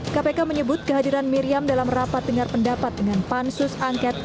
kpk menyebut kehadiran miriam dalam rapat dengar pendapat dengan pansus angket